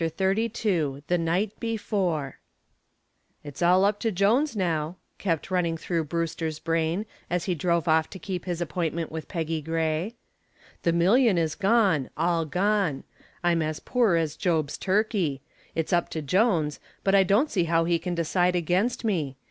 CHAPTER XXXII THE NIGHT BEFORE "It's all up to Jones now," kept running through Brewster's brain as he drove off to keep his appointment with Peggy Gray. "The million is gone all gone. I'm as poor as Job's turkey. It's up to Jones, but I don't see how he can decide against me.